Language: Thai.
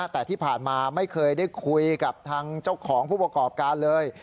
แต่ที่ผ่านมาไม่เคยได้คุยกับทางเจ้าของผู้ประกอบการเลย